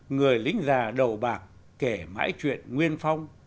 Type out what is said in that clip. người lính già đầu bạc kể mãi chuyện nguyên phong